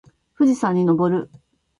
富士山に登る